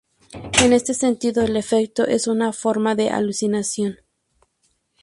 En este sentido, el efecto es una forma de alucinación.